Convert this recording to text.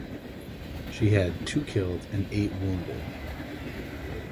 She had two killed and eight wounded.